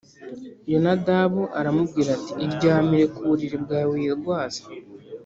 Yonadabu aramubwira ati “Iryamire ku buriri bwawe wirwaze